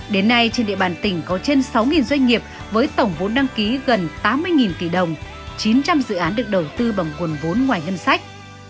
đến nay trên địa bàn tỉnh có trên sáu doanh nghiệp với tổng vốn đăng ký gần tám mươi tỷ đồng chín trăm linh dự án được đầu tư bằng nguồn vốn ngoài hân sách